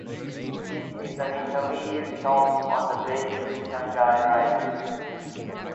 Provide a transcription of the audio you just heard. It is an intermediate stop on the Beijing–Shanghai railway.